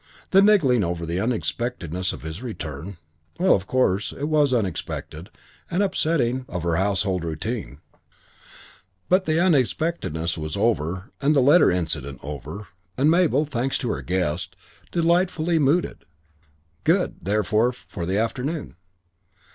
That niggling over the unexpectedness of his return, well, of course it was unexpected and upsetting of her household routine; but the unexpectedness was over and the letter incident over, and Mabel, thanks to her guest, delightfully mooded. Good, therefore, for the afternoon.